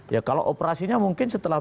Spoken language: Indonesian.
ya kalau operasinya mungkin setelah